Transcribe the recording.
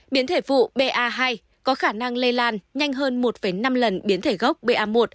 biến thể vụ ba hai có khả năng lây lan nhanh hơn một năm lần biến thể gốc ba